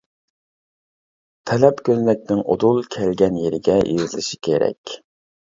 تەلەپ كۆزنەكنىڭ ئۇدۇل كەلگەن يېرىگە يېزىلىشى كېرەك.